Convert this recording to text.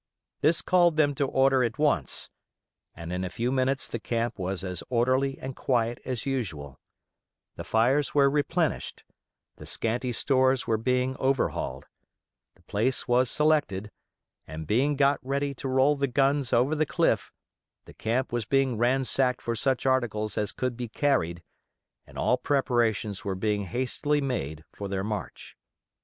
This called them to order at once; and in a few minutes the camp was as orderly and quiet as usual: the fires were replenished; the scanty stores were being overhauled; the place was selected, and being got ready to roll the guns over the cliff; the camp was being ransacked for such articles as could be carried, and all preparations were being hastily made for their march.